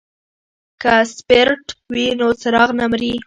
که سپیرټ وي نو څراغ نه مري.